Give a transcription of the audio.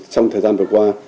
trong thời gian vừa qua